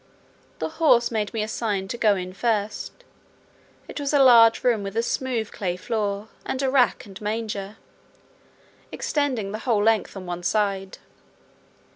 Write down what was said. The horse made me a sign to go in first; it was a large room with a smooth clay floor, and a rack and manger, extending the whole length on one side.